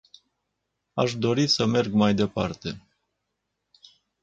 Aș dori să merg mai departe.